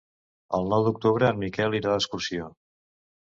El nou d'octubre en Miquel irà d'excursió.